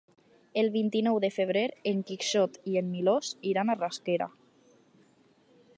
El vint-i-nou de febrer en Quixot i en Milos iran a Rasquera.